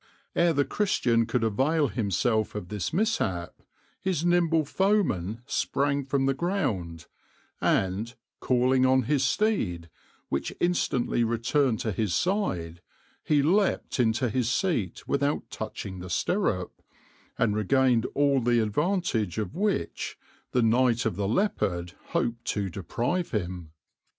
Ere the Christian could avail himself of this mishap, his nimble foeman sprang from the ground, and, calling on his steed, which instantly returned to his side, he leaped into his seat without touching the stirrup, and regained all the advantage of which the Knight of the Leopard hoped to deprive him.